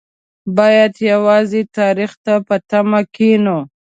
باید یوازې تاریخ ته په تمه کېنو.